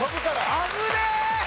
危ねえー！